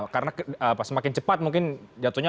karena semakin cepat mungkin jatuhnya